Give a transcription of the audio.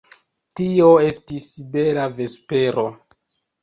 Tio estis bela vespero.